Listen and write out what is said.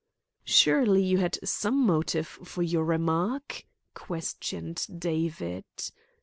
"Surely you had some motive for your remark?" questioned David.